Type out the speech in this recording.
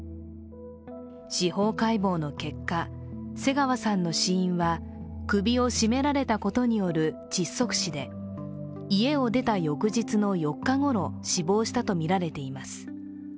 司法解剖の結果、瀬川さんの死因は首を絞められたことによる窒息死で家を出た翌日の４日ごろ、死亡したとみられています。